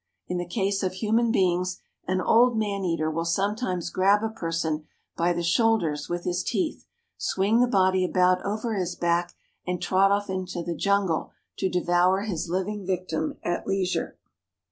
In the case of human beings, an old man eater will sometimes grab a person by the shoulders with his teeth, swing the body about over his back, and trot off into the jungle to devour his living victim at leisure.